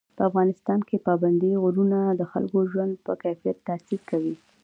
په افغانستان کې پابندی غرونه د خلکو د ژوند په کیفیت تاثیر کوي.